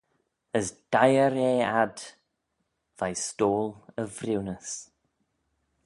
As deiyr eh ad veih stoyl y vriwnys.